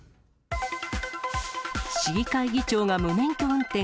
市議会議長が無免許運転。